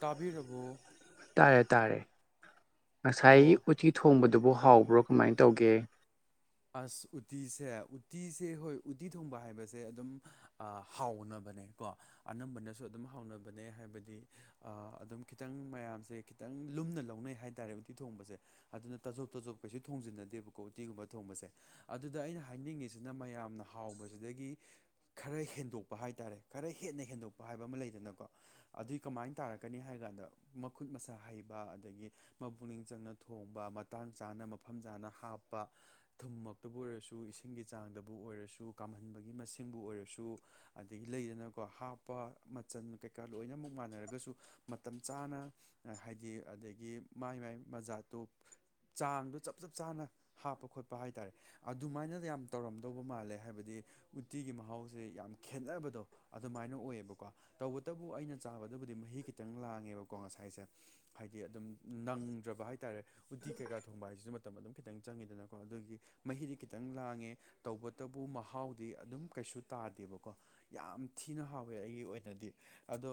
ꯇꯥꯕꯤꯕꯨꯎ ꯇꯥꯔꯦ ꯇꯥꯔꯦ ꯉꯁꯥꯏ ꯑꯣ ꯎꯤ ꯊꯣꯡꯕꯗꯨꯕꯨ ꯍꯥꯎꯕ꯭ꯔꯣ ꯀꯃꯥꯏꯅ ꯇꯧꯒꯦ ꯑꯁ ꯎꯇꯤꯁꯦ ꯎꯇꯤꯁꯦ ꯍꯣꯏ ꯎꯇꯤ ꯊꯣꯡꯕ ꯍꯥꯏꯕꯁꯦ ꯑꯗꯨꯝ ꯍꯥꯎꯅꯕꯅꯦ ꯀꯣ ꯑꯅꯝꯕꯅꯁꯨ ꯑꯗꯨꯝ ꯍꯥꯎꯅꯕꯅꯦ ꯍꯥꯏꯕꯗꯤ ꯑꯗꯨꯝ ꯈꯤꯇꯪ ꯃꯌꯥꯝꯁꯦ ꯈꯤꯇꯪ ꯂꯨꯝꯅ ꯂꯧꯅꯩ ꯍꯥꯏꯇꯥꯥꯔꯦ ꯎꯇꯤ ꯊꯣꯡꯕꯁꯦ ꯑꯗꯨꯅ ꯇꯥꯖꯣꯞ ꯇꯣꯖꯣꯞ ꯀꯩꯁꯨ ꯊꯣꯡꯖꯤꯟꯅꯗꯦꯕꯀꯣꯤꯒꯨꯝꯕ ꯊꯣꯡꯕꯁꯦ ꯑꯗꯨꯗ ꯑꯩꯅ ꯍꯥꯏꯅꯤꯡꯉꯤꯁꯤꯅ ꯃꯌꯥꯝꯅ ꯍꯥꯎꯕꯁꯤꯗꯒꯤ ꯈꯔ ꯍꯦꯟꯗꯣꯛꯄ ꯍꯥꯏꯇꯥꯔꯦ ꯈꯔ ꯍꯦꯟꯅ ꯍꯦꯟꯗꯣꯛꯄ ꯍꯥꯏꯕ ꯑꯃ ꯂꯩꯗꯅꯀꯣ ꯑꯗꯨꯏ ꯀꯃꯥꯏꯅ ꯇꯥꯔꯛꯀꯅꯤ ꯍꯥꯏ ꯀꯥꯟꯗ ꯃꯈꯨꯠ ꯃꯁꯛ ꯍꯩꯕ ꯑꯗꯒꯤ ꯃꯄꯛꯅꯤꯡ ꯆꯪꯅ ꯊꯣꯡꯕ ꯃꯇꯥꯡ ꯆꯥꯅ ꯃꯐꯝ ꯆꯥꯅ ꯍꯥꯞꯄ ꯊꯨꯝꯃꯛꯇꯕꯨ ꯑꯣꯏꯔꯁꯨ ꯏꯁꯤꯡꯒꯤ ꯆꯥꯡꯗꯕꯨ ꯑꯣꯏꯔꯁꯨ ꯀꯥꯝꯍꯟꯕꯒꯤ ꯃꯁꯤꯡꯕꯨ ꯑꯣꯏꯔꯁꯨ ꯑꯗꯒꯤ ꯂꯩꯗꯅꯀꯣ ꯍꯥꯞꯄ ꯃꯆꯟ ꯀꯩꯀꯥ ꯂꯣꯏꯅꯃꯛꯨ ꯃꯥꯟꯅꯔꯒꯁꯨ ꯃꯇꯝ ꯆꯥꯅ ꯍꯥꯏꯗꯤ ꯑꯗꯒꯤ ꯃꯥꯏ ꯃꯥꯏ ꯃꯖꯥꯠꯇꯨ ꯆꯥꯡꯗꯨ ꯆꯞ ꯆꯞ ꯆꯥꯅ ꯍꯥꯞꯄ ꯈꯣꯠꯄ ꯄ ꯍꯥꯏꯇꯥꯔꯦ ꯑꯗꯨꯃꯥꯏꯅ ꯌꯥꯝ ꯇꯧꯔꯝꯗꯧꯕ ꯃꯥꯜꯂꯦ ꯍꯥꯏꯕꯗꯤ ꯎꯇꯤꯒꯤ ꯃꯍꯥꯎꯁꯦ ꯌꯥꯝ ꯈꯦꯠꯅꯕꯗꯣ ꯑꯗꯨꯃꯥꯏꯅ ꯑꯣꯏꯌꯦꯕꯀꯣ ꯇꯧꯕꯇꯕꯨ ꯑꯩꯅ ꯆꯥꯕꯗꯕꯨꯗꯤ ꯃꯍꯤ ꯈꯤꯇꯪ ꯂꯥꯡꯉꯦꯕꯀꯣ ꯉꯁꯥꯏꯁꯦ꯫ ꯍꯥꯏꯗꯤ ꯑꯗꯨꯝ ꯅꯪꯗ꯭ꯔꯕ ꯍꯥꯏꯇꯥꯥꯔꯦ ꯎꯇꯤ ꯀꯩꯀꯥ ꯊꯣꯡꯕ ꯍꯥꯏꯁꯤꯁꯨ ꯃꯇꯝ ꯑꯗꯨꯝ ꯈꯤꯇꯪ ꯆꯪꯉꯤꯗꯅ꯫ ꯀꯣ ꯑꯗꯨꯒꯤ ꯃꯍꯤꯗꯤ ꯈꯤꯇꯪ ꯂꯥꯡꯉꯦ꯫ ꯇꯧꯕꯇꯕꯨ ꯃꯍꯥꯎꯗꯤ ꯑꯗꯨꯝ ꯀꯩꯁꯨ ꯇꯥꯗꯦꯕꯀꯣ꯫ ꯌꯥꯝ ꯊꯤꯅ ꯍꯥꯎꯋꯦ ꯑꯩꯒꯤ ꯑꯣꯏꯅꯗꯤ ꯑꯗꯣ꯫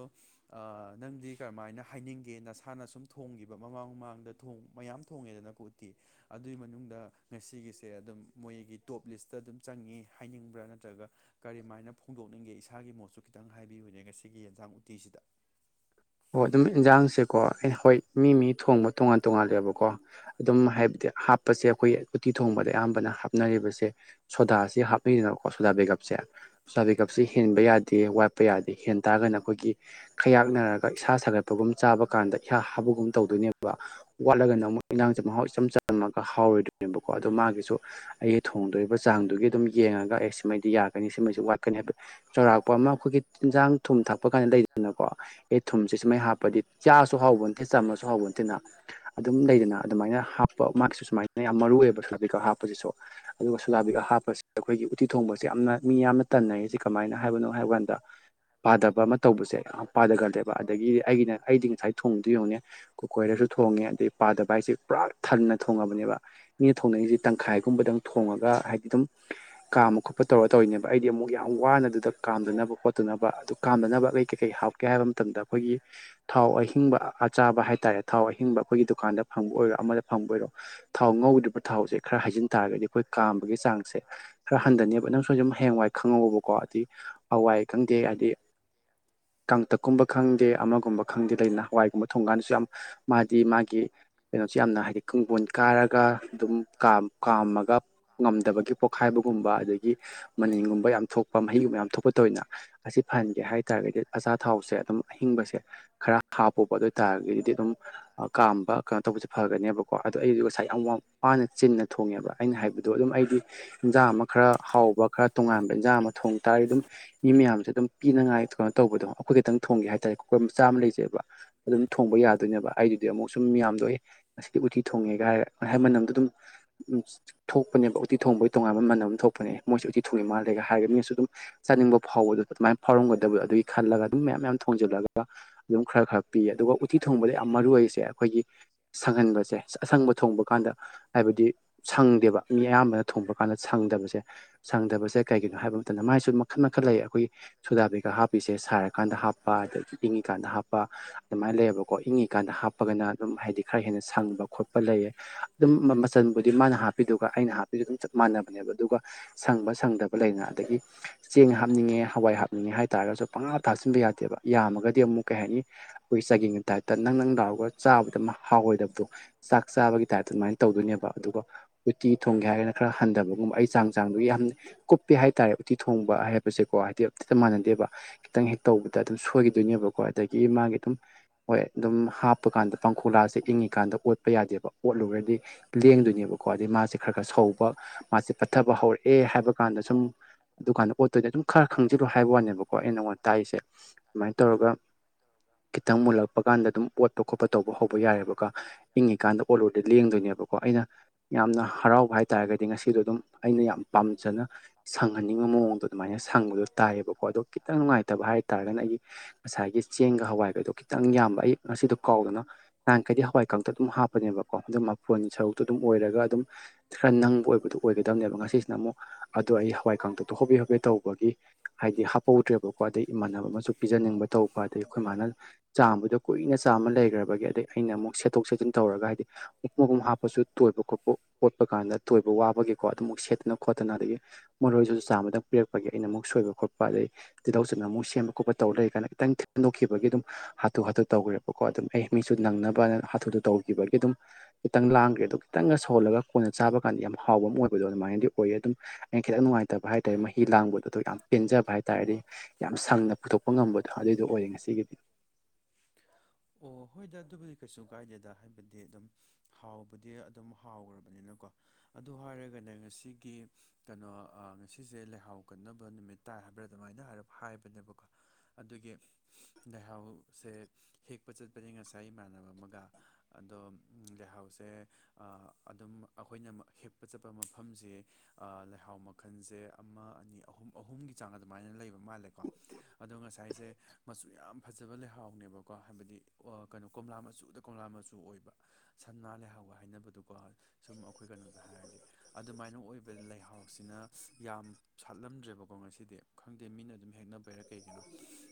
ꯑꯥ ꯅꯪꯗꯤ ꯀꯔꯝꯥꯏꯅ ꯍꯥꯏꯅꯤꯡꯒꯦ ꯅꯁꯥꯅ ꯁꯨꯝ ꯊꯣꯡꯈꯤꯕ ꯃꯃꯥꯡ ꯃꯃꯥꯡꯗ꯫ ꯊꯣꯡ ꯃꯌꯥꯝ ꯊꯣꯡꯉꯦꯗꯅꯀꯣ ꯎꯠꯇꯤ ꯑꯗꯨꯏ ꯃꯅꯨꯡꯗ꯫ ꯉꯁꯤꯒꯤꯁꯦ ꯑꯗꯨꯝ ꯃꯣꯏꯒꯤ ꯇꯣꯞ ꯂꯤꯁꯇ ꯑꯗꯨꯝ ꯆꯪꯉꯤ ꯍꯥꯏꯅꯤꯡꯕ꯭ꯔꯥ ꯅꯠꯇ꯭ꯔꯒ꯫ ꯀꯔꯤꯃꯥꯏꯅ ꯐꯣꯡꯗꯣꯛꯅꯤꯡꯒꯦ ꯏꯁꯥꯒꯤ ꯃꯣꯠꯁꯨ ꯈꯤꯇꯪ ꯍꯥꯏꯕꯤꯌꯨꯅꯦ ꯉꯁꯤꯒꯤ ꯌꯦꯟꯖꯥꯡ ꯎꯇꯤꯁꯤꯗ꯫ ꯑꯣ ꯑꯗꯨꯝ ꯏꯟꯖꯥꯡꯁꯦꯀꯣ ꯑꯦ ꯍꯣꯏ ꯃꯤ ꯃꯤ ꯊꯣꯡꯕ ꯇꯣꯉꯥꯟ ꯇꯣꯉꯥꯜꯂꯦꯕꯀꯣ꯫ ꯑꯗꯨꯝ ꯍꯥꯏꯕꯗꯤ ꯍꯥꯞꯄꯁꯦ ꯑꯩꯈꯣꯏ ꯎꯇꯤ ꯊꯣꯡꯕꯗ ꯑꯌꯥꯝꯕꯅ ꯍꯥꯞꯅꯔꯤꯕꯁꯦ ꯁꯣꯗꯥꯁꯦ ꯍꯞ ꯅꯩꯗꯅ ꯁꯤꯗ ꯕꯦꯒꯥꯞꯁꯦ꯫ ꯁꯣꯗ ꯕꯦꯒꯥꯞꯁꯦ ꯍꯦꯟꯕ ꯌꯥꯗꯦ ꯋꯥꯠꯄ ꯌꯥꯗꯦ ꯍꯦꯟ ꯇꯥꯔꯒꯅ ꯑꯩꯈꯣꯏꯒꯤ ꯈꯌꯥꯛꯅꯔꯒ꯫ ꯏꯁꯥ ꯁꯥꯒꯠꯄꯒꯨꯝ ꯆꯥꯕ ꯀꯥꯟꯗ ꯏꯍꯥ ꯍꯥꯕꯒꯨꯝ ꯇꯧꯗꯣꯏꯅꯦꯕ꯫ ꯋꯥꯠꯂꯒꯅ ꯑꯃꯨꯛ ꯏꯟꯁꯥꯡꯁꯦ ꯃꯍꯥꯎ ꯏꯆꯝ ꯆꯝꯃꯒ ꯍꯥꯎꯔꯣꯏꯗꯣꯏꯅꯦꯕꯀꯣ ꯑꯗꯣ ꯃꯥꯒꯤ ꯁꯨ ꯑꯩꯒꯤ ꯊꯣꯡꯗꯣꯏꯕ ꯆꯥꯡꯗꯨꯒꯤ ꯑꯗꯨꯝ ꯌꯦꯡꯉꯒ ꯑꯦ ꯁꯤꯃꯩꯗꯤ ꯌꯥꯒꯅꯤ ꯁꯤꯃꯩꯁꯤ ꯋꯥꯠꯀꯅꯤ ꯍꯥꯏꯕ ꯆꯥꯎꯧꯔꯥꯛꯄ ꯑꯃ ꯑꯩꯈꯣꯏꯒꯤ ꯏꯟꯖꯥꯡ ꯊꯨꯝ ꯊꯥꯛꯄ ꯀꯥꯟꯗ ꯂꯩꯗꯅꯀꯣ ꯑꯩ ꯊꯨꯝꯁꯦ ꯁꯨꯃꯩ ꯍꯥꯞꯄꯗꯤ ꯆꯥꯁꯨ ꯍꯥꯎꯕ ꯅꯠꯇꯦ ꯆꯝꯃꯁꯨ ꯍꯥꯎꯕ ꯅꯠꯇꯦꯗꯅ ꯑꯗꯨꯝ ꯂꯩꯗꯅ ꯑꯗꯨꯃꯥꯏꯅ ꯍꯥꯞꯄ ꯃꯥꯒꯤꯁꯤꯁꯨ ꯁꯨꯃꯥꯏꯅ ꯌꯥꯝ ꯃꯔꯨ ꯑꯣꯏꯕ ꯁꯣꯗꯥ ꯕꯩꯒꯞ ꯍꯥꯞꯄꯁꯤꯁꯨ ꯑꯗꯨꯒ ꯁꯣꯗꯥ ꯕꯩꯒꯞ ꯍꯥꯞꯄꯁꯦ ꯑꯩꯈꯣꯏꯒꯤ ꯎꯠꯇꯤ ꯊꯣꯡꯕꯁꯦ ꯌꯥꯝꯅ ꯃꯤ ꯌꯥꯝꯅ ꯇꯟꯅꯩꯁꯦ ꯀꯃꯥꯏꯅ ꯍꯥꯏꯕꯅꯣ ꯍꯥꯏꯕ ꯀꯥꯟꯗ ꯄꯥꯗꯕ ꯑꯃ ꯇꯧꯕꯁꯦ ꯌꯥꯝ ꯄꯥꯗꯒꯟꯂꯦ ꯕ ꯑꯗꯒꯤ ꯑꯩꯒꯤꯅ ꯑꯩꯗꯤ ꯉꯁꯥꯏ ꯊꯣꯡꯕꯗꯨ ꯌꯦꯡꯉꯨꯅꯦ ꯀꯨꯀꯔꯗꯁꯨ ꯊꯣꯡꯉꯦ ꯄꯥꯗꯕ ꯍꯥꯏꯁꯦ ꯄꯨꯔꯥ ꯊꯟꯅ ꯊꯣꯡꯉꯕꯅꯦꯕ ꯃꯤꯅ ꯊꯣꯡꯅꯩꯁꯦ ꯇꯪꯈꯥꯏꯒꯨꯝꯕꯗꯪ ꯊꯣꯡꯉꯒ ꯍꯥꯏꯗꯤ ꯑꯗꯨꯝ ꯀꯥꯝ ꯈꯣꯠ ꯄ ꯇꯧꯔ ꯇꯧꯔꯤꯅꯦꯕ ꯑꯩꯗꯤ ꯑꯃꯨꯛ ꯌꯥꯝ ꯋꯥꯅ ꯑꯗꯨꯗ ꯀꯥꯝꯗꯅꯕ ꯈꯣꯠꯇꯅꯕ ꯑꯗꯨ ꯀꯥꯝꯗꯅꯕ ꯑꯩ ꯀꯩꯀꯩ ꯍꯥꯞꯀꯦ ꯍꯥꯏꯕ ꯃ ꯇꯝꯗ ꯑꯩꯈꯣꯏꯒꯤ ꯊꯥꯎ ꯑꯍꯤꯡꯕ ꯑꯆꯥꯕ ꯍꯥꯏꯇꯥꯔꯦ ꯊꯥꯎ ꯑꯍꯤꯡꯕ ꯑꯩꯈꯣꯏꯒꯤ ꯗꯨꯀꯥꯟꯗ ꯐꯪꯕ ꯑꯣꯏꯔꯣ ꯑꯃꯗ ꯐꯪꯕ ꯑꯣꯏꯔꯣ ꯊꯥꯎ ꯉꯧꯗ꯭ꯔꯤꯕ ꯊꯥꯎꯁꯦ ꯈꯔ ꯍꯩꯖꯤꯟ ꯇꯥꯔꯒꯗꯤ ꯑꯩꯈꯣꯏ ꯀꯥꯝꯕꯒꯤ ꯆꯥꯡꯁꯦ ꯈꯔ ꯍꯟꯊꯅꯤꯕ ꯅꯪꯁꯨ ꯑꯗꯨꯝ ꯍꯌꯦꯡꯋꯥꯏ ꯈꯪꯉꯧꯋꯣꯕꯀꯣ ꯗꯤ ꯍꯋꯥꯏ ꯈꯪꯗꯦ ꯍꯥꯏꯗꯤ ꯀꯥꯡꯇꯛꯀꯨꯝꯕ ꯈꯪꯗꯦ ꯑꯃꯒꯨꯝꯕ ꯈꯪꯗꯦ ꯂꯩꯗꯅ ꯍꯋꯥꯏꯒꯨꯝꯕ ꯊꯣꯡꯀꯥꯟꯗꯁꯨ ꯌꯥꯝ ꯃꯥꯗꯤ ꯃꯥꯒꯤ ꯀꯩꯅꯣꯁꯤ ꯌꯥꯝꯅ ꯍꯥꯏꯗꯤ ꯀꯪꯕꯣꯟ ꯀꯥꯔꯒ ꯑꯗꯨꯝ ꯀꯥꯝ ꯀꯥꯝꯃꯒ ꯉꯝꯗꯕꯒꯤ ꯄꯣꯛꯈꯥꯏꯕꯒꯨꯝꯕ ꯑꯗꯒꯤ ꯃꯅꯤꯟꯒꯨꯝꯕ ꯌꯥꯝ ꯊꯣꯛꯄ ꯃꯍꯤꯒꯨꯝꯕ ꯌꯥꯝ ꯊꯣꯛꯄ ꯇꯧꯋꯤꯗꯅ ꯑꯁꯤ ꯐꯍꯟꯒꯦ ꯍꯥꯏꯇꯥꯔꯒꯗꯤ ꯑꯆꯥꯊꯥꯎꯁꯦ ꯑꯗꯨꯝ ꯑꯍꯤꯡꯕꯁꯦ ꯈꯔ ꯍꯥꯞꯄꯣꯕ ꯑꯗꯣꯏ ꯇꯔꯒꯗꯤ ꯑꯗꯨꯝ ꯀꯥꯝꯕ ꯀꯥ ꯀꯩꯅꯣ ꯇꯧꯕꯁꯦ ꯐꯇ꯭ꯔꯅꯦꯕꯀꯣ ꯑꯗꯣ ꯑꯩꯗꯤ ꯉꯁꯥꯏ ꯌꯥꯝ ꯋꯥ ꯋꯥꯅ ꯆꯤꯟꯅ ꯊꯣꯡꯉꯦꯕ ꯑꯩꯅ ꯍꯥꯏꯕꯗꯣ ꯑꯗꯨꯝ ꯑꯩꯗꯤ ꯏꯟꯖꯥꯡ ꯑꯃ ꯈꯔ ꯍꯥꯎꯕ ꯈꯔ ꯇꯣꯉꯥꯟꯕ ꯏꯟꯖꯥꯡ ꯑꯃ ꯊꯣꯡ ꯇꯥꯔꯗꯤ ꯑꯗꯨꯝ ꯃꯤ ꯃꯌꯥꯝꯁꯦ ꯑꯗꯨꯝ ꯄꯤꯅꯉꯥꯏ ꯀꯩꯅꯣ ꯇꯧꯕꯗꯣ ꯑꯩꯈꯣꯏ ꯈꯤꯇꯪ ꯊꯣꯡꯒꯦ ꯍꯥꯏꯇꯥꯔꯦ ꯀꯨꯀꯔ ꯃꯆꯥ ꯑꯃ ꯂꯩꯖꯩꯕ ꯑꯗꯨꯝ ꯊꯣꯡꯕ ꯌꯥꯗꯣꯏꯅꯦꯕ ꯑꯩꯗꯨꯗꯤ ꯑꯃꯨꯛ ꯁꯨꯝ ꯌꯥꯝꯗꯣꯏ ꯉꯁꯤꯗꯤ ꯎꯇꯤ ꯊꯣꯡꯉꯦꯒ ꯍꯥꯏ ꯃꯅꯝꯗꯣ ꯑꯗꯨꯝ [unintelligible] ꯊꯣꯛꯄꯅꯦꯕ ꯎꯇꯤ ꯊꯣꯡꯕꯩ ꯇꯣꯉꯥꯟꯕ ꯃꯅꯝ ꯑꯃ ꯊꯣꯛꯄꯅꯦ ꯃꯣꯏꯁꯨ ꯎꯇꯤ ꯊꯣꯡꯉꯤ ꯃꯥꯜꯂꯦꯒ ꯍꯥꯏꯒꯅꯤ ꯃꯤꯁꯨ ꯑꯗꯨꯝ ꯆꯥꯅꯤꯡꯕ ꯐꯥꯎꯕꯗꯣ ꯑꯗꯨꯃꯥꯏꯅ ꯐꯥꯎꯔꯝꯒꯗꯕ ꯑꯗꯨꯒꯤ ꯈꯥꯜꯂꯒ ꯑꯗꯨꯝ ꯃꯌꯥꯝ ꯃꯌꯥꯝ ꯊꯣꯡꯖꯤꯜꯂꯒ ꯑꯗꯨꯝ ꯈꯔ ꯈꯔ ꯄꯤꯌꯦ ꯑꯗꯨꯒ ꯎꯇꯤ ꯊꯣꯡꯕꯗ ꯌꯥꯝ ꯃꯔꯨ ꯑꯣꯏꯔꯤꯁꯦ ꯑꯩꯈꯣꯏꯒꯤ ꯁꯪꯍꯟꯕꯁꯦ ꯑꯁꯪꯕ ꯊꯣꯡꯕ ꯀꯥꯟꯗ ꯍꯥꯏꯕꯗꯤ ꯁꯪꯗꯦꯕ ꯃꯤ ꯑꯌꯥꯝꯕꯅ ꯊꯣꯡꯕ ꯀꯥꯟꯗ ꯁꯪꯗꯕꯁꯦ ꯁꯪꯗꯕꯁꯦ ꯀꯩꯒꯤꯅꯣ ꯍꯥꯏꯕ ꯃꯇꯝꯗ ꯃꯥꯏꯁꯨ ꯃꯈꯜ ꯃꯈꯜ ꯂꯩ ꯑꯩꯈꯣꯏꯒꯤ ꯁꯣꯗꯥ ꯕꯩꯒꯞ ꯍꯥꯞꯄꯤꯁꯦ ꯁꯥꯔ ꯀꯥꯟꯗ ꯍꯥꯞꯄ ꯑꯗꯒꯤ ꯏꯪꯉꯤꯀꯥꯟꯗ ꯍꯥꯞꯄ ꯑꯗꯨꯃꯥꯏꯅ ꯂꯩꯌꯦꯕꯀꯣ ꯏꯪꯉꯤꯀꯥꯟꯗ ꯍꯥꯞꯄꯒꯅ ꯑꯗꯨꯝ ꯍꯥꯏꯗꯤ ꯈꯔ ꯍꯦꯟꯅ ꯁꯪꯕ ꯈꯣꯠꯄ ꯂꯩꯌꯦ ꯑꯗꯨꯝ ꯃꯆꯜꯕꯨꯗꯤ ꯃꯥꯅ ꯍꯥꯞꯄꯤꯗꯨꯒ ꯑꯩꯅ ꯍꯥꯞꯄꯤꯗꯨ ꯑꯗꯨꯝ ꯆꯞ ꯃꯥꯟꯅꯕꯅꯦꯕ ꯑꯗꯨꯒ ꯁꯪꯕ ꯁꯪꯗꯕ ꯂꯩꯗꯅ ꯑꯗꯒꯤ ꯆꯦꯡ ꯍꯥꯞꯅꯤꯡꯉꯦ ꯍꯋꯥꯏ ꯍꯥꯞꯅꯤꯡꯉꯦ ꯍꯥꯏꯇꯥꯔꯒꯁꯨ ꯄꯪ ꯍꯥꯞ ꯇ ꯍꯥꯞꯁꯤꯟꯕ ꯌꯥꯗꯦꯕ ꯌꯥꯝꯃꯒꯗꯤ ꯑꯃꯨꯛ ꯀꯩ ꯍꯥꯏꯅꯤ ꯑꯩꯈꯣꯏ ꯆꯒꯤꯡꯒꯤ ꯇꯥꯏꯞꯇ ꯅꯪ ꯅꯪ ꯂꯥꯎꯔꯒ ꯆꯥꯕꯗ ꯍꯥꯎꯔꯣꯏꯗꯕꯗꯣ ꯆꯥꯛ ꯆꯥꯕꯒꯤ ꯇꯥꯏꯞꯇ ꯑꯗꯨꯃꯥꯏꯅ ꯇꯧꯗꯣꯏꯅꯦꯕ ꯑꯗꯨꯒ ꯎꯇꯤ ꯊꯣꯡꯒꯦ ꯍꯥꯏꯔꯒꯅ ꯈꯔ ꯍꯟꯊꯕꯒꯨꯝꯕ ꯑꯩ ꯆꯥꯡ ꯆꯥꯡꯗꯨꯒꯤ ꯌꯥꯝ ꯀꯨꯞꯄꯦ ꯍꯥꯏꯇꯥꯔꯦ ꯎꯇꯤ ꯊꯣꯡꯕ ꯍꯥꯏꯕꯁꯦꯀꯣ ꯍꯥꯏꯗꯤ [unintelligible] ꯃꯥꯟꯅꯗꯦꯕ ꯈꯤꯇꯪ ꯍꯦꯛ ꯇꯧꯕꯗ ꯑꯗꯨꯝ ꯁꯣꯏꯈꯤꯗꯣꯏꯅꯦꯕꯀꯣ ꯑꯗꯒꯤ ꯃꯥꯒꯤ ꯑꯗꯨꯝ ꯍꯣꯏ ꯑꯗꯨꯝ ꯍꯥꯞꯄꯀꯥꯟꯗ ꯄꯥꯡꯈꯣꯂꯥꯁꯦ ꯏꯪꯉꯤꯀꯥꯟꯗ ꯑꯣꯠ ꯄ ꯌꯥꯗꯦꯕ ꯑꯣꯠꯂꯨꯔꯗꯤ ꯂꯦꯡꯗꯣꯏꯅꯦꯕꯀꯣ ꯑꯗꯩ ꯃꯥꯁꯦ ꯈꯔ ꯈꯔ ꯁꯧꯕ ꯃꯥꯁꯦ ꯄꯠꯊꯕ ꯍꯧꯔꯛ ꯑꯦ ꯍꯥꯏꯕ ꯀꯥꯟꯗ ꯁꯨꯝ ꯑꯗꯨꯀꯥꯟꯗ ꯑꯣꯠꯇꯣꯏꯅꯦ ꯑꯗꯨꯝ ꯈꯔ ꯈꯪꯖꯤꯜꯂꯣ ꯍꯥꯏꯕ ꯋꯥꯅꯦꯕꯀꯣ ꯑꯩ ꯅꯉꯣꯟ ꯇꯥꯏꯔꯤꯁꯦ ꯑꯗꯨꯃꯥꯏꯅ ꯇꯧꯔꯒ ꯈꯤꯇꯪ ꯃꯨꯜꯂꯛꯄ ꯀꯥꯟꯗ ꯗꯨꯝ ꯑꯣꯠꯄ ꯈꯣꯠꯄ ꯇꯧꯕ ꯍꯧꯕ ꯌꯥꯔꯦꯕꯀꯣ ꯏꯪꯉꯤꯀꯥꯟꯗ ꯑꯣꯠ ꯂꯨꯔꯗꯤ ꯂꯦꯡꯗꯣꯏꯅꯦꯕꯀꯣ ꯑꯩꯅ ꯌꯥꯝꯅ ꯍꯔꯥꯎꯕ ꯍꯥꯏꯇꯥꯥꯔꯒꯗꯤ ꯉꯁꯤꯗꯣ ꯑꯗꯨꯝ ꯑꯩꯅ ꯌꯥꯝ ꯄꯥꯝꯖꯅ ꯁꯪꯍꯟꯅꯤꯡꯕ ꯃꯑꯣꯡꯗꯣ ꯑꯗꯨꯃꯥꯏꯅ ꯁꯪꯕꯗꯣ ꯇꯥꯏꯌꯦꯕꯀꯣ ꯑꯗꯣ ꯈꯤꯇꯪ ꯅꯨꯡꯉꯥꯏ ꯇꯕ ꯍꯥꯏ ꯇꯥꯔꯒꯅ ꯑꯩꯒꯤ ꯉꯁꯥꯏꯒꯤ ꯆꯦꯡꯒ ꯍꯋꯥꯏꯒꯗꯣ ꯈꯤꯇꯪ ꯌꯥꯝꯕ ꯑꯩ ꯉꯁꯤꯗꯣ ꯀꯥꯎꯗꯅ ꯅꯍꯥꯟꯈꯩꯗꯤ ꯍꯋꯥꯏ ꯀꯥꯡꯇꯛ ꯑꯗꯨꯝ ꯍꯥꯞꯄꯅꯦꯕꯀꯣ ꯑꯗꯨ ꯃꯐꯣꯟꯒꯤ ꯁꯔꯨꯛꯇꯣ ꯑꯗꯨꯝ ꯑꯣꯏꯔꯒ ꯑꯗꯨꯝ ꯈꯔ ꯅꯪꯕ ꯑꯣꯏꯕꯗꯨ ꯑꯣꯏꯒꯗꯕꯅꯦꯕ ꯉꯁꯤꯁꯤꯅ ꯑꯃꯨꯛ ꯑꯗꯣ ꯑꯩ ꯍꯋꯥꯏ ꯀꯥꯡꯥꯡꯗꯨꯗꯣ ꯍꯣꯕꯦ ꯍꯣꯕꯦ ꯇꯧꯕꯒꯤ ꯍꯥꯏꯗꯤ ꯍꯥꯞꯍꯧꯗ꯭ꯔꯦꯕ ꯑꯗꯩ ꯏꯃꯥꯟꯅꯕ ꯑꯃꯁꯨ ꯄꯤꯖꯅꯤꯡꯕ ꯇꯧꯕ ꯑꯗꯩ ꯑꯩꯈꯣꯏ ꯃꯥꯅ ꯆꯥꯝꯕꯗ ꯀꯨꯏꯅ ꯆꯥꯝꯃ ꯂꯩ ꯖꯔꯕꯒꯤ ꯑꯗꯗꯒꯤ ꯑꯩꯅ ꯑꯃꯨꯛ ꯁꯦꯠꯠꯇꯣꯛ ꯆꯦꯠꯟ ꯇꯧꯔꯒ ꯍꯥꯏꯗꯤ ꯃꯛ ꯃꯒꯨꯝ ꯍꯥꯞꯄꯁꯨ ꯇꯣꯏꯕ ꯈꯣꯠꯄ ꯑꯣꯣꯠꯄ ꯀꯥꯟꯗ ꯇꯣꯏꯕ ꯋꯥꯕꯒꯤꯀꯣ ꯑꯗꯨꯃꯨꯛ ꯁꯦꯠꯇꯅ ꯈꯣꯠꯇꯅ ꯑꯗꯒꯤ ꯃꯔꯣꯏꯁꯤꯁꯨ ꯆꯥꯝꯃꯗꯪ ꯄꯤꯔꯛꯄꯒꯤ ꯑꯩꯅ ꯑꯃꯨꯛ ꯁꯣꯏꯕ ꯈꯣꯠꯄ ꯑꯗꯗꯒꯤ ꯁꯤꯤꯗꯧ ꯆꯨꯝꯅ ꯑꯃꯨꯛ ꯁꯦꯝꯕ ꯈꯣꯠꯄ ꯇꯧꯔ ꯂꯩꯔꯤ ꯀꯥꯏꯅ ꯈꯤꯇꯪ ꯊꯦꯡꯗꯣꯛꯈꯤꯕꯒꯤ ꯑꯗꯨꯝ ꯍꯥꯊꯨ ꯍꯥꯊꯨ ꯇꯧꯈ꯭ꯔꯦꯕꯀꯣ ꯑꯗꯨꯝ ꯑꯩ ꯃꯤꯁꯨ ꯅꯪꯅꯕ ꯃꯨꯗ ꯇꯧꯈꯤꯕꯒꯤ ꯑꯗꯨꯝ ꯈꯤꯇꯪ ꯂꯥꯡꯈ꯭ꯔꯦ ꯑꯗꯨ ꯈꯤꯪꯒ ꯁꯣꯜꯂꯒ ꯑꯩꯈꯣꯏꯅ ꯆꯥꯕ ꯀꯥꯟꯗ ꯌꯥꯝ ꯍꯥꯎꯕ ꯑꯃ ꯑꯣꯏꯕꯗꯣ ꯑꯗꯨꯃꯥꯏꯅꯗꯤ ꯑꯣꯏꯌꯦ ꯑꯗꯨꯝ ꯑꯩꯅ ꯈꯤꯇꯪ ꯅꯨꯡꯉꯥꯏꯇꯕ ꯍꯥꯏꯇꯥꯔꯦ ꯃꯍꯤ ꯂꯥꯡꯕꯗꯣ ꯑꯗꯣ ꯌꯥꯝ ꯄꯦꯟꯖꯕ ꯍꯥꯏꯇꯥꯥꯔꯗꯤ ꯌꯥꯝ ꯁꯪꯅ ꯄꯨꯊꯣꯛꯄ ꯉꯝꯕꯗꯣ ꯑꯗꯨꯏꯗꯣ ꯑꯣꯏꯔꯦ ꯉꯁꯤꯒꯤꯗꯤ ꯑꯣ ꯍꯣꯏꯗ ꯑꯗꯨꯕꯨꯗꯤ ꯀꯩꯁꯨ ꯀꯥꯏꯗꯦꯗ ꯍꯥꯏꯕꯗꯤ ꯑꯗꯨꯝ ꯍꯥꯎꯕꯗꯤ ꯑꯗꯨꯝ ꯍꯥꯎꯈ꯭ꯔꯕꯅꯤꯅꯀꯣ ꯑꯗꯨ ꯍꯥꯏꯔꯒꯅ ꯉꯁꯤꯒꯤ ꯀꯩꯅꯣ ꯉꯁꯤꯁꯦ ꯂꯩꯍꯥꯎ ꯀꯟꯅꯕ ꯅꯨꯃꯤꯠ ꯇꯥꯏ ꯍꯥꯏꯕ꯭ꯔꯥ ꯑꯗꯨꯃꯥꯏꯅ ꯍꯥꯏꯞ ꯍꯥꯏꯕꯅꯦꯕꯀꯣ ꯑꯗꯨꯒꯤ ꯂꯩꯥꯏꯍꯥꯎꯁꯦ ꯍꯦꯛꯄ ꯆꯠꯄꯅꯦ ꯉꯁꯥꯏ ꯏꯃꯥꯟꯅꯕ ꯑꯃꯒ ꯑꯗꯣ ꯂꯩꯍꯥꯎꯁꯦ ꯑꯗꯨꯝ ꯑꯩꯈꯣꯏꯅ ꯍꯦꯛꯄ ꯆꯠꯄ ꯃꯐꯝꯁꯦ ꯂꯩꯍꯥꯎ ꯃꯈꯜꯁꯦ ꯑꯃ ꯑꯅꯤ ꯑꯍꯨꯝ ꯑꯍꯨꯝꯒꯤ ꯆꯥꯡ ꯑꯗꯨꯃꯥꯏꯅ ꯂꯩꯕ ꯃꯥꯜꯂꯦꯀꯣ ꯑꯗꯣ ꯉꯁꯥꯏꯁꯦ ꯃꯆꯨ ꯌꯥꯝ ꯐꯖꯕ ꯂꯩꯍꯥꯎꯅꯦꯕꯀꯣ ꯀꯣ ꯍꯥꯏꯕꯗꯤ ꯀꯩꯅꯣ ꯀꯣꯝꯂꯥ ꯃꯆꯨꯗ ꯀꯣꯝꯂꯥ ꯃꯆꯨ ꯑꯣꯏꯕ ꯁꯟꯃꯥ ꯂꯩꯍꯥꯎꯕ ꯍꯥꯏꯅꯕꯗꯨꯀꯣ ꯁꯨꯝ ꯑꯩꯈꯣꯏ ꯀꯩꯅꯣꯗ ꯍꯥꯏꯔꯗꯤ ꯑꯗꯨꯃꯥꯏꯅ ꯑꯣꯏꯕ ꯂꯩꯍꯥꯎꯁꯤꯅ ꯌꯥꯝ ꯁꯥꯠꯂꯝꯗ꯭ꯔꯦꯕꯀꯣ ꯉꯁꯤꯗꯤ ꯈꯪꯗꯦ ꯃꯤꯅ ꯑꯗꯨꯝ ꯍꯦꯛꯅꯕꯩꯔꯥ ꯀꯩꯒꯤꯅꯣ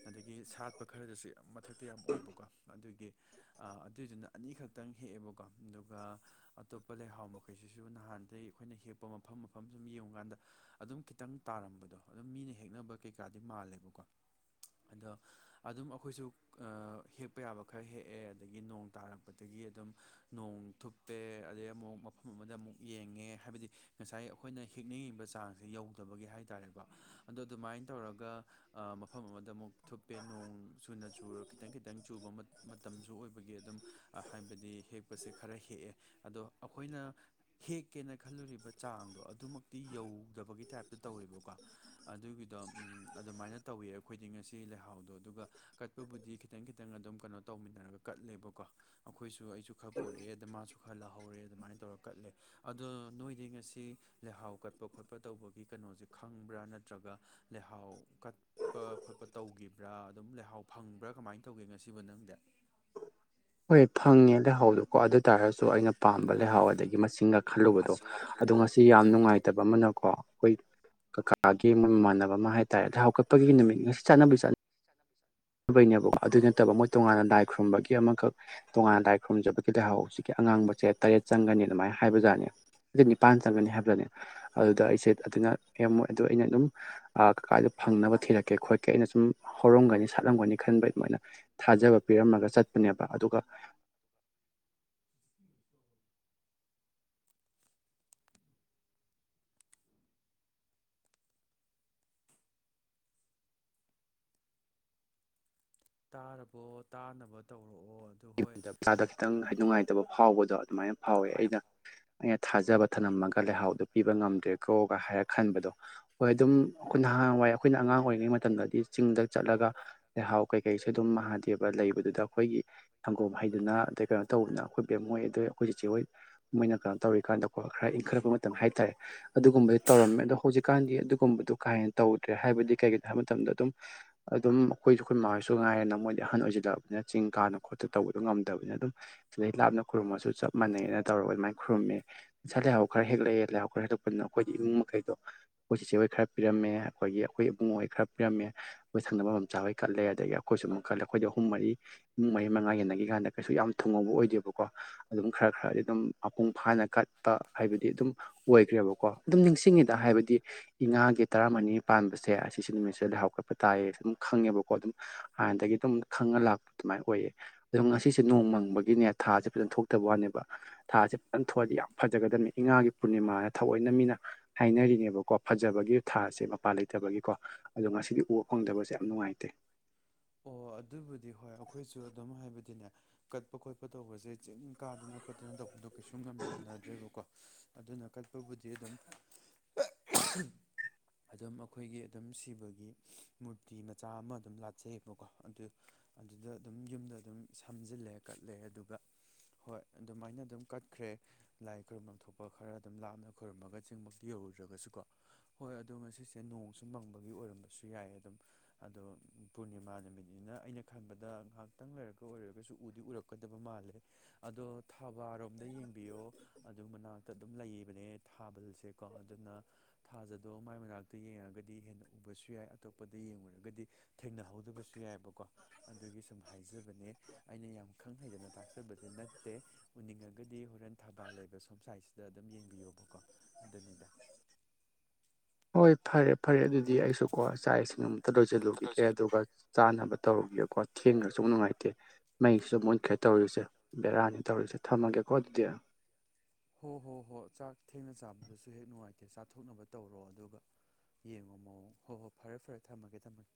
ꯑꯗꯒꯤ ꯁꯥꯠꯄ ꯈꯔꯗꯁꯨ ꯃꯊꯛ ꯈꯛꯇ ꯌꯥꯝ ꯑꯣꯏꯕꯀꯣ ꯑꯗꯨꯒꯤ ꯑꯗꯨꯏꯗꯨꯅ ꯑꯅꯤꯈꯛꯇꯪ ꯍꯦꯛꯑꯦꯕꯀꯣ ꯑꯗꯨꯒ ꯑꯇꯣꯞꯄ ꯂꯩꯍꯥꯎ ꯃꯈꯩꯁꯤꯁꯨ ꯅꯍꯥꯟꯗꯒꯤꯩ ꯑꯩꯈꯣꯏꯅ ꯍꯦꯛꯄ ꯃꯐꯝ ꯃꯐꯝ ꯁꯨꯝ ꯌꯦꯡꯉꯨꯀꯥꯟꯗ ꯑꯗꯨꯝ ꯈꯤꯇꯪ ꯇꯥꯔꯝꯕꯗꯣ ꯑꯗꯨꯝ ꯃꯤꯅ ꯍꯦꯛꯅꯕ ꯀꯩꯀꯥꯗꯤ ꯃꯥꯜꯂꯦꯕꯀꯣ ꯑꯗꯣ ꯑꯗꯨꯝ ꯑꯩꯈꯣꯏꯁꯨ ꯍꯦꯛꯄ ꯌꯥꯕ ꯈꯔ ꯍꯦꯛꯑꯦ ꯑꯗꯒꯤ ꯅꯣꯡ ꯇꯥꯔꯛꯄꯗꯒꯤ ꯑꯗꯨꯝ ꯅꯣꯡ ꯊꯨꯞꯄꯦ ꯑꯗꯩ ꯑꯃꯨꯛ ꯃꯐꯝ ꯑꯃꯗ ꯑꯃꯨꯛ ꯌꯦꯡꯉꯦ ꯍꯥꯏꯕꯗꯤ ꯉꯁꯥꯏ ꯑꯩꯈꯣꯏꯅ ꯍꯦꯛꯛꯅꯤꯡꯉꯤꯕ ꯆꯥꯡꯁꯤꯦ ꯌꯧꯗꯕꯒꯤ ꯍꯥꯏ ꯇꯥꯔꯦꯀꯣ ꯑꯗꯣ ꯑꯗꯨꯃꯥꯏꯅ ꯇꯧꯔꯒ ꯃꯐꯝ ꯑꯃꯗ ꯑꯃꯨꯛ ꯊꯨꯞꯄꯦ ꯅꯣꯡ ꯆꯨꯅ ꯆꯨꯔ ꯈꯤꯇꯪ ꯈꯤꯇꯪ ꯆ ꯇꯨꯕ ꯃꯇꯝꯁꯨ ꯑꯣꯏꯕꯒꯤ ꯑꯗꯨꯝ ꯍꯥꯏꯕꯗꯤ ꯍꯦꯛꯄꯁꯦ ꯈꯔ ꯍꯦꯛꯑꯦ ꯑꯗꯣ ꯑꯩꯈꯣꯏꯅ ꯍꯦꯛꯀꯦꯅ ꯈꯜꯂꯨꯔꯤꯕ ꯆꯥꯡꯗꯣ ꯑꯗꯨꯃꯛꯇꯤ ꯌꯧꯗꯕꯒꯤ ꯇꯥꯏꯞꯇ ꯇꯧꯋꯦꯕꯀꯣ ꯑꯗꯨꯒꯤꯗꯣ ꯑꯗꯨꯃꯥꯏꯅ ꯇꯧꯋꯤ ꯑꯩꯈꯣꯏꯗꯤ ꯉꯁꯤ ꯂꯩꯍꯥꯎꯗꯣ ꯑꯗꯨꯒ ꯀꯠꯄꯕꯨꯗꯤ ꯈꯤꯇꯪ ꯈꯤꯇꯪ ꯑꯗꯨꯝ ꯀꯩꯅꯣ ꯇꯧꯃꯤꯟꯅꯔꯒ ꯀꯠꯂꯦꯕꯀꯣ ꯑꯩꯈꯣꯏꯁꯨ ꯑꯩꯁꯨ ꯈꯔ ꯄꯣꯔꯛꯑꯦ ꯑꯗ ꯃꯥꯁꯨ ꯈꯔ ꯂꯥꯍꯧꯔꯦ ꯑꯗꯨꯃꯥꯏꯅ ꯇꯧꯔ ꯀꯠꯂꯦ ꯑꯗꯣ ꯅꯣꯏꯗꯤ ꯉꯁꯤ ꯂꯩꯍꯥꯎ ꯀꯠꯄ ꯈꯣꯠꯄ ꯇꯧꯕꯒꯤ ꯀꯩꯅꯣꯁꯦ ꯈꯪꯕ꯭ꯔꯥ ꯅꯠꯇ꯭ꯔꯒ ꯂꯩꯍꯥꯎ ꯀꯠꯄ ꯈꯣꯠꯄ ꯇꯧꯈꯤꯕ꯭ꯔꯥ ꯑꯗꯨꯝ ꯂꯩꯍꯥꯎ ꯐꯪꯕ꯭ꯔꯥ ꯀꯃꯥꯏꯅ ꯇꯧꯒꯦ ꯉꯁꯤꯕꯨ ꯅꯪꯗꯤ ꯍꯣꯏ ꯐꯪꯉꯦ ꯂꯩꯍꯥꯎꯗꯣꯀꯣ ꯑꯗꯨ ꯇꯥꯔꯁꯨ ꯑꯩꯅ ꯄꯥꯝꯕ ꯂꯩꯍꯥꯎ ꯑꯗꯒꯤ ꯃꯆꯤꯛ ꯈꯜꯂꯨꯕꯗꯣ ꯃꯁꯤꯡ ꯃꯈꯜ ꯑꯗꯣ ꯉꯁꯤ ꯌꯥꯝ ꯑꯗꯨꯝ ꯅꯨꯡꯉꯥꯏꯇꯕ ꯑꯃꯅꯀꯣ ꯑꯩꯈꯣꯏ ꯀꯀꯥ ꯥꯒꯤ ꯑꯃ ꯃꯃꯥꯟꯅꯕ ꯑꯃ ꯍꯥꯏꯇꯥꯥꯔꯦ ꯑꯗ ꯍꯧꯒꯠꯄꯒꯤ ꯅꯨꯃꯤꯠ ꯉꯁꯤ ꯆꯠꯅꯕꯤ ꯆꯠꯅ ꯆꯠꯣ ꯐ ꯆ ꯅꯦꯕꯀꯣ ꯑꯗꯨꯏ ꯅꯠꯇꯕ ꯃꯣꯏ ꯇꯣꯉꯥꯟꯅ ꯂꯥꯏ ꯈꯨꯔꯨꯝꯕꯒꯤ ꯑꯃꯈꯛ ꯇꯣꯉꯥꯟꯅ ꯂꯥꯏ ꯈꯨꯔꯨꯝꯖꯕꯒꯤ ꯂꯥꯏꯍꯥꯎ ꯍꯧꯖꯤꯛꯀꯤ ꯑꯉꯥꯡꯕꯁꯦ ꯇꯔꯦꯠ ꯆꯪꯒꯅꯤ ꯑꯗꯨꯃꯥꯏꯅ ꯍꯥꯏꯕꯖꯥꯠꯅꯤ ꯠ ꯅꯤꯄꯥꯟ ꯆꯪꯒꯅꯤ ꯍꯥꯏꯕꯗꯅꯦ ꯑꯗꯨꯗ ꯑꯩꯁꯦ ꯑꯗꯨꯅ ꯌꯥꯝꯃꯣꯏ ꯑꯗꯨꯗ ꯑꯩꯅ ꯑꯗꯨꯝ ꯀꯀꯥꯗꯣ ꯐꯪꯅꯕ ꯊꯤꯔꯛꯀꯦ ꯈꯣꯠꯛꯀꯦ ꯑꯩꯅ ꯁꯨꯝ ꯍꯧꯔꯝꯒꯅꯤ ꯁꯥꯠꯂꯝꯒꯅꯤ ꯈꯟꯕꯩ ꯑꯗꯨꯃꯥꯏꯅ ꯊꯥꯖꯕ ꯄꯤꯔꯝꯃꯒ ꯆꯠꯄꯅꯦꯕ ꯑꯗꯨꯒ ꯎꯝ ꯇꯥꯔꯕꯣ ꯇꯥꯅꯕ ꯇꯧꯔꯛꯑꯣ ꯑꯗꯨ ꯍꯣꯏ ꯏꯁꯥꯗ ꯈꯤꯇꯪ ꯍꯥꯏ ꯅꯨꯡꯉꯥꯏꯇꯕ ꯐꯥꯎꯕꯗꯣ ꯑꯗꯨꯃꯥꯏꯅ ꯐꯥꯎꯋꯦ ꯑꯩꯅ ꯑꯩꯅ ꯊꯥꯖꯕ ꯊꯅꯝꯃꯒ ꯂꯩꯍꯥꯎꯗꯨ ꯄꯤꯕ ꯉꯝꯗ꯭ꯔꯦꯀꯣꯒ ꯍꯥꯏꯔ ꯈꯟꯕꯗꯣ ꯍꯣꯏ ꯑꯗꯨꯝ ꯑꯩꯈꯣꯏꯅꯍꯥꯟꯋꯥꯏ ꯑꯩꯈꯣꯏꯅ ꯑꯉꯥꯡ ꯑꯣꯏꯔꯤꯉꯩ ꯃꯇꯝꯗꯗꯤ ꯆꯤꯡꯗ ꯆꯠꯂꯒ ꯂꯩꯍꯥꯎ ꯀꯩꯀꯩꯁꯨ ꯑꯗꯨꯝ ꯃꯥꯥꯍꯥꯗꯦꯕ ꯂꯩꯕꯗꯨꯗ ꯑꯩꯈꯣꯏꯒꯤ ꯁꯪꯒꯣꯝ ꯍꯩꯗꯅ ꯑꯗꯩ ꯀꯩꯅꯣ ꯇꯧꯗꯅ ꯑꯩꯈꯣꯏ ꯄꯕꯦꯝ ꯃꯣꯏ ꯑꯗꯩ ꯑꯩꯈꯣꯏ ꯆꯦꯍꯣꯏ ꯃꯣꯏꯅ ꯀꯩꯅꯣ ꯇꯧꯔꯤ ꯀꯥꯟꯗ ꯀꯣ ꯈꯔ ꯏꯟꯈꯠꯂꯛꯄ ꯈꯤ ꯍꯥꯏꯇꯥꯔꯦ ꯑꯗꯨꯒꯨꯝꯕꯗꯨ ꯇꯧꯔꯝꯃꯦ ꯑꯗꯣ ꯍꯧꯖꯤꯛꯀꯥꯟꯗꯤ ꯑꯗꯨꯒꯨꯝꯕꯗꯨ ꯀꯥꯏꯅ ꯇꯧꯗ꯭ꯔꯦ ꯍꯥꯏꯕꯗꯤ ꯀꯩꯒꯤꯅꯣ ꯍꯥꯏꯕ ꯃꯇꯝꯗ ꯑꯗꯨꯝ ꯑꯗꯨꯝ ꯑꯩꯈꯣꯏꯁꯨ ꯑꯩꯈꯣꯏ ꯃꯥꯁꯨ ꯉꯥꯏꯔꯦꯅ ꯃꯣꯏꯗꯤ ꯑꯍꯟ ꯑꯣꯏꯁꯤꯜꯂꯛꯑꯅꯤꯅ ꯆꯤꯡ ꯀꯥꯅ ꯈꯣꯠꯄ ꯇꯧꯕꯗꯨ ꯉꯝꯗꯕꯅꯤ ꯑꯗꯨꯝ ꯁꯤꯗꯩ ꯂꯥꯞꯅ ꯈꯨꯔꯨꯝꯃꯁꯨ ꯆꯞ ꯃꯥꯟꯅꯩꯅ ꯇꯧꯔꯒ ꯑꯗꯨꯃꯥꯏꯅ ꯈꯨꯔꯨꯝꯃꯦ ꯉꯁꯥꯏ ꯂꯩꯍꯥꯎ ꯈꯔ ꯍꯦꯛꯂꯛꯑꯦ ꯂꯩꯍꯥꯎ ꯈꯔ ꯍꯦꯛꯂꯛꯄꯅꯤꯅ ꯑꯩꯈꯣꯏ ꯏꯃꯨꯡ ꯃꯈꯩꯗꯣ ꯑꯩꯈꯣꯏ ꯆꯤꯆꯦ ꯍꯣꯏ ꯈꯔ ꯄꯤꯔꯝꯃꯦ ꯑꯩꯈꯣꯏꯒꯤ ꯑꯩꯈꯣꯏ ꯏꯕꯨꯡꯍꯣꯏ ꯈꯔ ꯄꯤꯔꯝꯃꯦ ꯑꯩꯈꯣꯏ ꯁꯪꯅꯕ ꯃꯝꯆꯥꯕ ꯍꫭꯏ ꯀꯠꯂꯦ ꯑꯗꯒꯤ ꯑꯩꯈꯣꯏꯁꯨ ꯑꯗꯨꯝ ꯀꯠꯂꯦ ꯑꯩꯈꯣꯏꯗ ꯑꯍꯨꯝ ꯃꯔꯤ ꯏꯃꯨꯡ ꯃꯔꯤ ꯃꯉꯥ ꯌꯦꯟꯅꯒꯤ ꯀꯥꯟꯗ ꯀꯩꯁꯨ ꯌꯥꯝ ꯊꯨꯡꯉꯧꯕ ꯑꯣꯏꯗꯦꯕꯀꯣ ꯑꯗꯨꯝ ꯈꯔ ꯈꯔꯗꯤ ꯑꯗꯨꯝ ꯃꯄꯨꯡ ꯐꯥꯅ ꯀꯠꯄ ꯍꯥꯏꯕꯗꯤ ꯑꯗꯨꯝ ꯑꯣꯏꯈ꯭ꯔꯦꯕꯀꯣ ꯑꯗꯨꯝ ꯅꯤꯡꯁꯤꯡꯉꯤꯗ ꯍꯥꯏꯕꯗꯤ ꯏꯉꯥꯒꯤ ꯇꯔꯥꯃꯔꯤꯅꯤ ꯄꯥꯟꯕꯁꯦ ꯑꯁꯤ ꯁꯤ ꯅꯨꯃꯤꯠꯁꯤꯗ ꯂꯩꯍꯥꯎ ꯀꯥꯠ ꯄ ꯇꯥꯏꯌꯦ ꯑꯗꯨꯝ ꯈꯪꯉꯦꯕꯀꯣ ꯑꯗꯨꯝ ꯑꯥꯏꯟꯗꯒꯤ ꯑꯗꯨꯝ ꯈꯪꯉ ꯂꯥꯛꯄ ꯑꯗꯨꯃꯥꯏꯅ ꯑꯣꯏꯌꯦ ꯑꯗꯣ ꯉꯁꯤꯁꯦ ꯅꯣꯡ ꯃꯪꯕꯒꯤꯅꯦ ꯊꯥꯖꯦ ꯐꯖꯅ ꯊꯣꯛꯇꯕ ꯋꯥꯅꯦꯕ ꯊꯥꯖꯦ ꯐꯖꯅ ꯊꯣꯛꯑꯗꯤ ꯌꯥꯝ ꯐꯖꯒꯗꯝꯕꯅꯤ ꯏꯉꯥꯒꯤ ꯄꯨꯔꯅꯤꯃꯥ ꯍꯥꯏꯅ ꯊꯧꯑꯣꯏꯅ ꯃꯤꯅ ꯍꯥꯏꯅꯔꯤꯅꯦꯕꯀꯣ ꯐꯖꯕꯒꯤ ꯊꯥꯁꯦ ꯃꯄꯥꯟ ꯂꯩꯇꯕꯒꯤꯀꯣ ꯑꯗꯣ ꯉꯁꯤꯗꯤ ꯎꯕ ꯐꯪꯗꯕꯁꯦ ꯌꯥꯝ ꯅꯨꯡꯉꯥꯏꯇꯦ ꯑꯣ ꯑꯗꯨꯕꯨꯗꯤ ꯍꯣꯏ ꯑꯩꯈꯣꯏꯁꯨ ꯑꯗꯨꯝ ꯍꯥꯏꯕꯗꯤꯅꯦ ꯀꯠꯄ ꯈꯣꯠꯄ ꯇꯧꯕꯁꯦ ꯆꯤꯡ ꯀꯥꯗꯅ ꯈꯣꯠꯇꯅ ꯇꯧꯕꯗꯣ ꯀꯩꯁꯨ ꯉꯝꯅꯗ꯭ꯔꯦꯕꯀꯣ ꯑꯗꯨꯅ ꯀꯠꯄꯕꯨꯗꯤ ꯑꯗꯨꯝ ꯑꯗꯨꯝ ꯑꯩꯈꯣꯏꯒꯤ ꯑꯗꯨꯝ ꯁꯤꯕꯒꯤ ꯃꯨꯔꯇꯤ ꯃꯆꯥ ꯑꯃ ꯑꯗꯨꯝ ꯂꯥꯛ ꯆꯌꯦꯕꯀꯣ ꯑꯗꯨ ꯑꯗꯨꯗ ꯑꯗꯨꯝ ꯌꯨꯝꯗ ꯑꯗꯨꯝ ꯁꯝꯖꯤꯜꯂꯦ ꯀꯠꯂꯦ ꯑꯗꯨꯒ ꯍꯣꯏ ꯑꯗꯨꯃꯥꯏꯅ ꯑꯗꯨꯝ ꯀꯠꯈ꯭ꯔꯦ ꯂꯥꯏ ꯈꯨꯔꯨꯝꯕꯝ ꯊꯣꯛꯄ ꯈꯔ ꯑꯗꯨꯝ ꯂꯥꯞꯅ ꯈꯨꯔꯨꯝꯃꯒ ꯆꯤꯡꯕꯛꯇ ꯌꯧꯔꯨꯗ꯭ꯔꯒꯁꯨꯀꯣ ꯍꯣꯏ ꯑꯗꯣ ꯉꯁꯤꯁꯦ ꯅꯣꯡꯁꯨ ꯃꯪꯕꯒꯤ ꯑꯣꯏꯔꯝꯕꯁꯨ ꯌꯥꯏ ꯑꯗꯨꯝ ꯑꯗꯣ ꯄꯨꯔꯅꯤꯃꯥ ꯅꯨꯃꯤꯠꯅꯤꯅ ꯑꯩꯅ ꯈꯟꯕꯗ ꯉꯥꯏꯍꯥꯛꯇꯪ ꯂꯩꯔꯒ ꯑꯣꯏꯔꯒꯁꯨ ꯎꯗꯤ ꯎꯔꯛꯀꯗꯕ ꯃꯥꯜꯂꯦ ꯑꯗꯣ ꯊꯕꯥꯔꯣꯝꯗ ꯌꯦꯡꯕꯤꯌꯣ ꯑꯗꯨ ꯃꯅꯥꯛꯇ ꯑꯗꯨꯝ ꯂꯩꯕꯅꯦ ꯊꯥꯕꯜꯁꯦꯀꯣ ꯑꯗꯨꯅ ꯊꯥꯖꯗꯣ ꯃꯥꯏ ꯃꯅꯥꯛꯇ ꯌꯦꯡꯉꯒꯗꯤ ꯍꯦꯟꯅ ꯎꯕꯁꯨ ꯌꯥꯏ ꯑꯇꯣꯞꯄꯗ ꯌꯦꯡꯂꯉꯨꯔꯒꯗꯤ ꯊꯦꯡꯅꯍꯧꯗꯕꯁꯨ ꯌꯥꯏꯕꯀꯣ ꯑꯗꯨꯒꯤ ꯁꯨꯝ ꯍꯥꯏꯖꯕꯅꯦ ꯑꯩꯅ ꯌꯥꯝ ꯈꯪ ꯍꯩꯗꯅ ꯇꯥꯛꯆꯕꯗꯤ ꯅꯠꯇꯦ ꯎꯅꯤꯡꯉꯒꯗꯤ ꯍꯣꯔꯦꯟ ꯊꯕꯥ ꯂꯩꯕ ꯁꯣꯝ ꯁꯥꯏꯠꯁꯤꯗ ꯑꯗꯨꯝ ꯌꯦꯡꯕꯤꯌꯣꯕꯀꯣ ꯑꯗꯨꯗꯨꯗ ꯍꯣꯏ ꯐꯔꯦ ꯐꯔꯦ ꯑꯗꯨꯗꯤ ꯑꯩꯁꯨ ꯀꯣ ꯆꯥꯛ ꯏꯁꯤꯡ ꯑꯃꯇ ꯂꯣꯏꯖꯤꯜꯂꯨꯒꯤꯒꯦ ꯑꯗꯨꯒ ꯆꯥꯅꯕ ꯇꯧꯔꯨꯒꯤꯒꯦꯀꯣ ꯊꯦꯡꯒꯔ ꯖꯨ ꯅꯨꯡꯉꯥꯏꯇꯦ ꯃꯩꯁꯨ ꯃꯨꯟꯈ꯭ꯔꯦ ꯇꯧꯔꯤꯁꯦ ꯕꯦꯔꯥꯅꯤ ꯇꯧꯖꯦ ꯊꯝꯃꯒꯦꯀꯣ ꯑꯗꯨꯗꯤ ꯍꯣ ꯍꯣ ꯍꯣ ꯆꯥꯛ ꯊꯦꯡꯅ ꯆꯥꯕꯗꯁꯨ ꯍꯦꯛ ꯅꯨꯡꯉꯥꯏꯇꯦ ꯆꯥꯊꯣꯛꯅꯕ ꯇꯧꯔꯣ ꯑꯗꯨꯒ ꯌꯦꯡꯉꯣ ꯃꯑꯣꯡ ꯍꯣ ꯍꯣ ꯐꯔꯦ ꯐꯔꯦ ꯊꯝꯃꯒꯦ ꯊꯝꯃꯒꯦ